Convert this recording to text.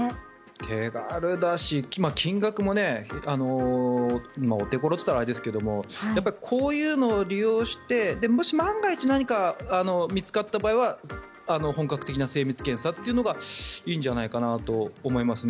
手軽だし、金額もお手頃と言ったらあれですけどやっぱりこういうのを利用してもし、万が一何か見つかった場合は本格的な精密検査というのがいいんじゃないかなと思いますね。